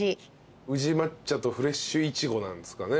宇治抹茶とフレッシュイチゴなんですかね。